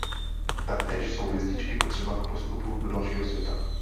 Taktéž jsou hvězdičky potřeba k postupu do dalšího světa.